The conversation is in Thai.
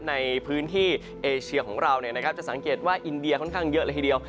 ในพื้นที่เอเชียของเราจะสังเกตว่าอินเดียค่อนข้างเยอะเลยทีเดียว